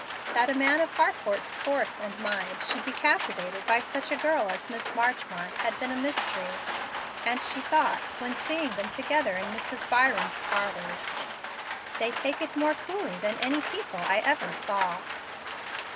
That a man of Harcourt's force and mind should be captivated by such a girl as Miss Marchmont, had been a mystery; and she thought, when seeing them together in Mrs. Byram's parlors, "They take it more coolly than any people I ever saw."